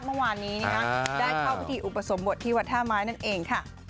มาวันนี้ได้เข้าพิธีอุปสรรคที่วัดท่าม้ายนั่นเอง